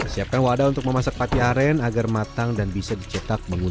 kita masuk ke bagian utama hari ini mencetak sohun